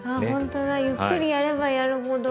ゆっくりやればやるほど分かる。